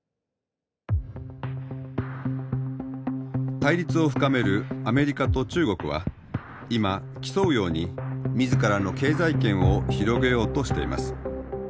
対立を深めるアメリカと中国は今競うように自らの経済圏を広げようとしています。